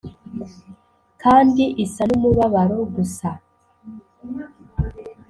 kandi isa numubabaro gusa